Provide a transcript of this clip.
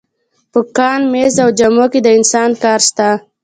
په کان، مېز او جامو کې د انسان کار شته